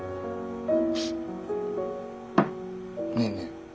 ねえねえ